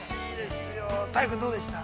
大祐君、どうでした？